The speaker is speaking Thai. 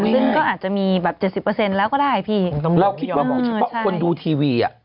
อ๋อนี่นี่ก็อาจจะมีแบบเจ็ดสิบเปอร์เซ็นต์แล้วก็ได้พี่เราคิดว่าบอกที่เปาะคนดูทีวีอ่ะ